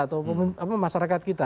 atau masyarakat kita